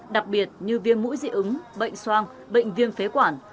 đặc biệt như viêm mũi dị ứng bệnh soang bệnh viêm phế quản